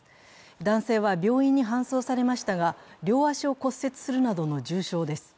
男性は病院に搬送されましたが両足を骨折するなどの重傷です。